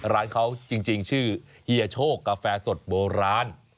ร้านเขาจริงชื่อเฮียโชคกาแฟสดโบราณ